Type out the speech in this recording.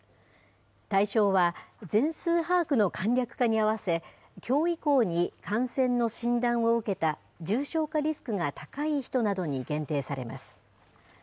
対象は、全数把握の簡略化にあわせ、きょう以降に感染の診断を受けた重症化リスクが高い人などに限定されます。